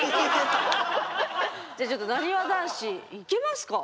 じゃあちょっとなにわ男子いけますか？